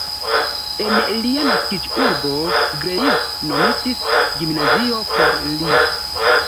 En lia naskiĝurbo Greiz nomitis gimnazio por li.